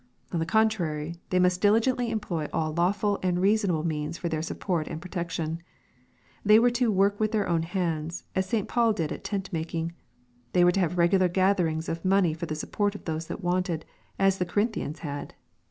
On the contrary they must diligently employ all lawful and reasonable means for their support and protection. They were to " work with their own ha.ids," as St. Paul did at tent making. They were to have regniar gatherings of money for the support of those that wanted, as the Corinthians had.